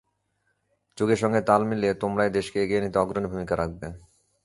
যুগের সঙ্গে তাল মিলিয়ে তোমরাই দেশকে এগিয়ে নিতে অগ্রণী ভূমিকা রাখবে।